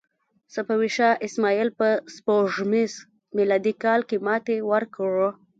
صفوي شاه اسماعیل په سپوږمیز میلادي کال کې ماتې ورکړه.